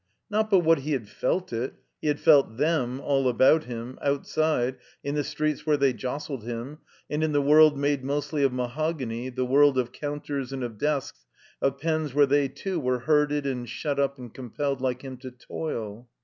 Not but what he had felt it — ^he had felt them — all about him, outside, in the streets where they jostled him, and in the world made mostly of mahogany, the world of counters and of desks, of pens where they too were herded and shut up and compelled, like him, to toil.